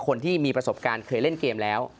คนที่มีประสบการณ์เคยเล่นเกมแล้ว